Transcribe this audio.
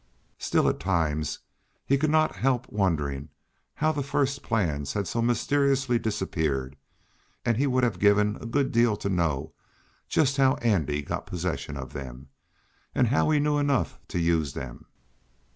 Still, at times, he could not help wondering how the first plans had so mysteriously disappeared, and he would have given a good deal to know just how Andy got possession of them, and how he knew enough to use them.